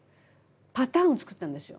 パターンを作ったんですよ。